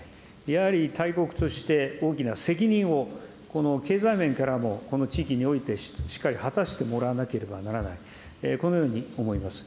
やはり大国として、大きな責任を、この経済面からも、この地域においてしっかり果たしてもらわなければならない、このように思います。